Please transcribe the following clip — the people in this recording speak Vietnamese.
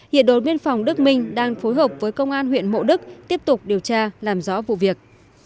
hiện đồn biên phòng đức minh đang phối hợp với công an huyện mộ đức tiếp tục điều tra làm rõ vụ việc